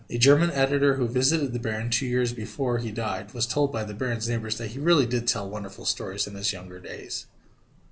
A German editor who visited the baron two years before he died was told by the baron's neighbors that he really did tell wonderful stories in his younger days.